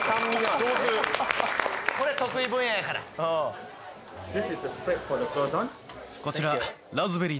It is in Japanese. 上手これ得意分野やからこちらええー